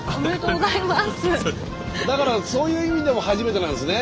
だからそういう意味でも初めてなんですね。